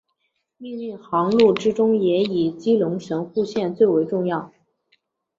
命令航路之中也以基隆神户线最为重要。